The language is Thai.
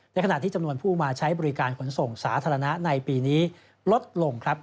ขณะที่จำนวนผู้มาใช้บริการขนส่งสาธารณะในปีนี้ลดลงครับ